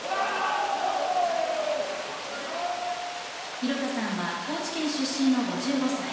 広田さんは高知県出身の５５歳。